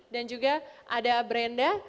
dan juga ada brenda